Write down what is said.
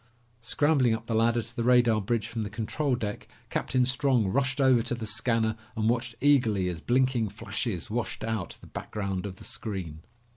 Scrambling up the ladder to the radar bridge from the control deck, Captain Strong rushed over to the scanner and watched eagerly as blinking flashes washed out the background of the screen.